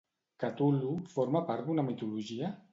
Cthulhu forma part d'una mitologia?